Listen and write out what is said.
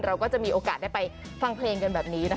เราก็จะมีโอกาสได้ไปฟังเพลงกันแบบนี้นะคะ